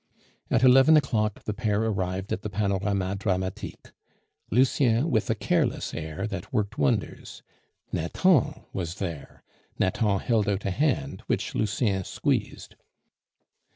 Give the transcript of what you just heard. At eleven o'clock the pair arrived at the Panorama Dramatique; Lucien with a careless air that worked wonders. Nathan was there. Nathan held out a hand, which Lucien squeezed.